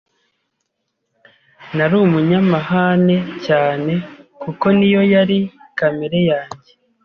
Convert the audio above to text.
Nari umunyamahane cyane kuko niyo yari kamere yanjye